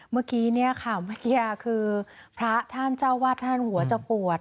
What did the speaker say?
เมื่อกี้เนี่ยค่ะเมื่อกี้คือพระท่านเจ้าวาดท่านหัวจะปวด